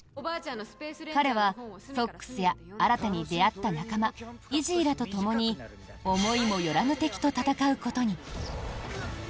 彼はソックスや新たに出会った仲間イジーらとともに思いもよらぬ敵と戦うことに。